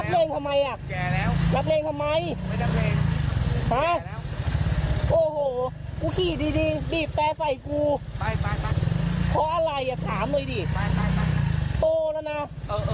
เออแก่แล้ว